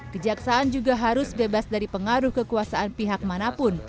kejaksaan juga harus bebas dari pengaruh kekuasaan pihak manapun